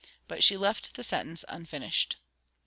But she left the sentence unfinished.